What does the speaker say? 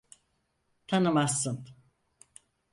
Tanımazsın.